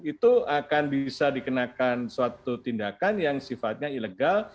itu akan bisa dikenakan suatu tindakan yang sifatnya ilegal